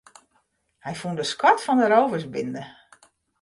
Hy fûn de skat fan in rôversbinde.